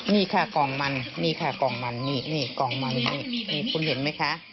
นี่ค่ะกล่องมันนี่ค่ะกล่องมันนี่นี่กล่องมันนี่คุณเห็นไหมคะ